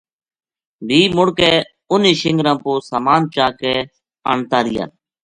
بھی مُڑ کے اُن ہی شِنگراں پو سامان چا کے آنتا رہیا